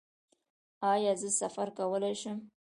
ایا زه سفر کولی شم؟